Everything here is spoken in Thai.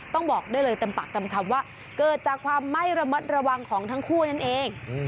บอกได้เลยเต็มปากเต็มคำว่าเกิดจากความไม่ระมัดระวังของทั้งคู่นั่นเอง